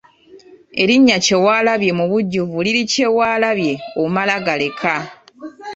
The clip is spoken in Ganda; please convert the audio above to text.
Erinnya Kyewalabye mubujjuvu liri Kye waalabye omala galeka.